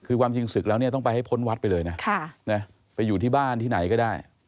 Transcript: คือความจริงศึกแล้วเนี่ยต้องไปให้พ้นวัดไปเลยนะไปอยู่ที่บ้านที่ไหนก็ได้